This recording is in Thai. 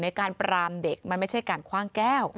การปรามเด็กมันไม่ใช่การคว่างแก้ว